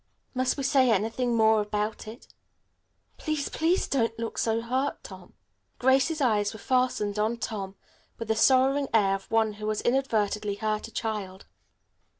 Must we say anything more about it? Please, please don't look so hurt, Tom." Grace's eyes were fastened on Tom with the sorrowing air of one who has inadvertently hurt a child.